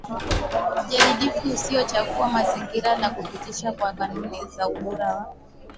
jadidifu isiyochafua mazingira na kupitishwa kwa kanuni za ubora wa